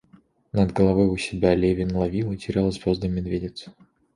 Над головой у себя Левин ловил и терял звезды Медведицы.